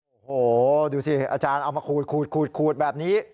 โอ้โหดูสิอาจารย์เอามาขูดแบบนี้